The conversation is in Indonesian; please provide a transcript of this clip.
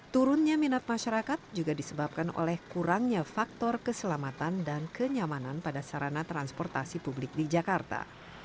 turunnya minat masyarakat juga disebabkan oleh kurangnya faktor keselamatan dan kenyamanan pada sarana transportasi publik di jakarta